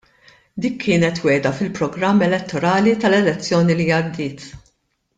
Dik kienet wegħda fil-programm elettorali tal-elezzjoni li għaddiet.